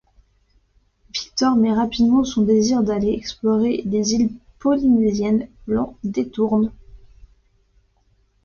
Victor mais rapidement, son désir d'aller explorer les îles polynésiennes l'en détourne.